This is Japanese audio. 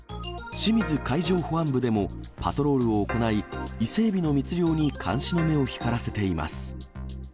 清水海上保安部でもパトロールを行い、伊勢エビの密漁に監視の目を光らせています。